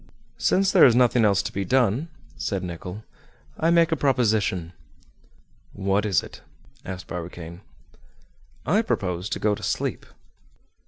"Since there is nothing else to be done," said Nicholl, "I make a proposition." "What is it?" asked Barbicane. "I propose to go to sleep."